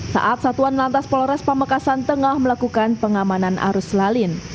saat satuan lantas polres pamekasan tengah melakukan pengamanan arus lalin